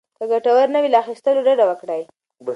که ګټور نه وي، له اخيستلو ډډه وکړئ.